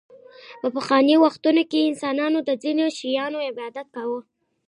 په پخوانیو وختونو کې انسانانو د ځینو شیانو عبادت کاوه